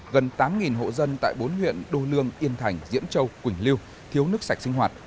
gần tám hộ dân tại bốn huyện đô lương yên thành diễn châu quỳnh liêu thiếu nước sạch sinh hoạt